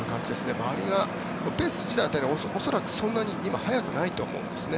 周りがペース自体は恐らく、今はそんなに速くないと思うんですね。